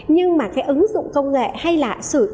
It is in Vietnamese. nhưng mà cái ứng dụng công nghệ hay là sử dụng công nghệ